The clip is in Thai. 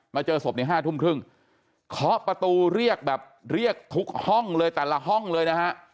เจอศพในห้าทุ่มครึ่งเคาะประตูเรียกแบบเรียกทุกห้องเลยแต่ละห้องเลยนะฮะ